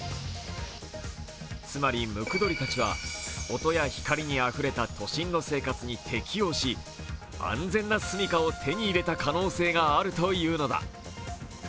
つまりムクドリたちは、音や光にあふれた都心の生活に適応し安全な住みかを手に入れた可能性があるというのだ。